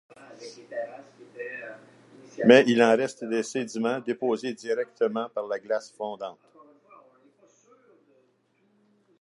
Mais il en reste des sédiments déposés directement par la glace fondante.